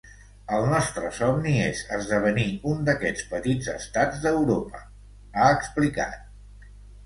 El nostre somni és esdevenir un d’aquests petits estats d’Europa, ha explicat.